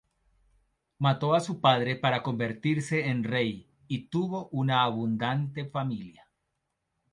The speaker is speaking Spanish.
Mató a su padre para convertirse en rey y tuvo una abundante familia.